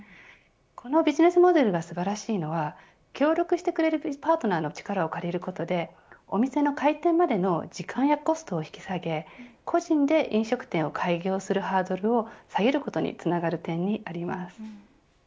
このビジネスモデルが素晴らしいのは協力してくれるパートナーの力を借りることでお店の開店までの時間やコストを引き下げ個人で飲食店を開業するハードルを下げることにつながる点にあります。